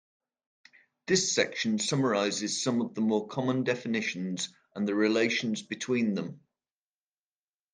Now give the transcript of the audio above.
This section summarizes some of the more common definitions and the relations between them.